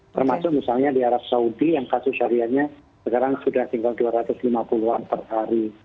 termasuk misalnya di arab saudi yang kasus hariannya sekarang sudah tinggal dua ratus lima puluh an per hari